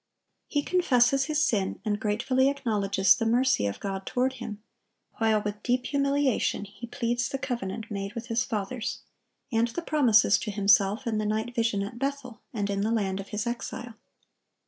He confesses his sin, and gratefully acknowledges the mercy of God toward him, while with deep humiliation he pleads the covenant made with his fathers, and the promises to himself in the night vision at Bethel and in the land of his exile.